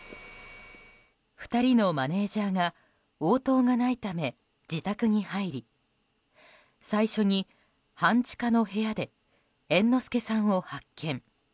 ２人のマネジャーが応答がないため自宅に入り最初に、半地下の部屋で猿之助さんを発見。